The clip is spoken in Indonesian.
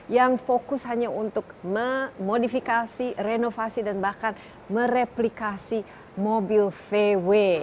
yang fokus hanya untuk memodifikasi renovasi dan bahkan mereplikasi mobil vw